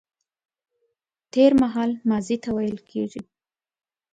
تېرمهال ماضي ته ويل کيږي